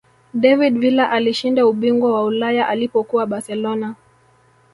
david villa alishinda ubingwa wa ulaya alipokuwa barcelona